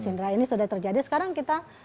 cendra ini sudah terjadi sekarang kita